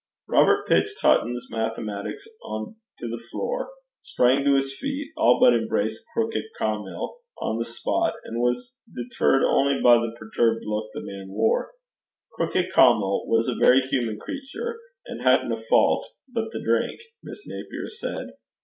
Robert pitched Hutton's Mathematics into the grate, sprung to his feet, all but embraced Crookit Caumill on the spot, and was deterred only by the perturbed look the man wore. Crookit Caumill was a very human creature, and hadn't a fault but the drink, Miss Napier said.